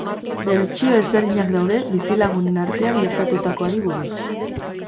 Bertsio ezberdinak daude bizilagunen artean gertatutakoari buruz.